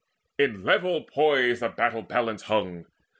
In level poise The battle balance hung.